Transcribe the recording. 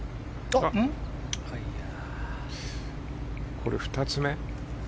これ、２つ目？